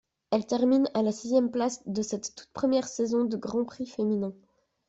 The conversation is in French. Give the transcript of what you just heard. Elle termine à la sixième place de cette toute première saison de Grand-Prix féminins.